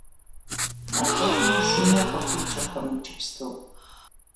Абы си нэ къыхуикӀыркъым иджыпсту.